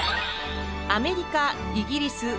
アメリカイギリス